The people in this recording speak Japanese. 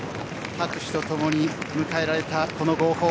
拍手とともに迎えられたこの号砲。